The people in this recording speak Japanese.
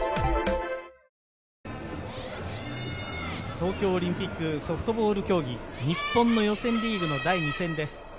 東京オリンピックソフトボール競技、日本の予選リーグの第２戦です。